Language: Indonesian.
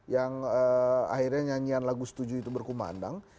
yang akhirnya nyanyian lagu setuju itu berkumandang